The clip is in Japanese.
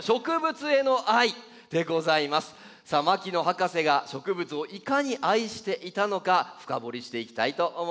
さあ牧野博士が植物をいかに愛していたのか深掘りしていきたいと思います。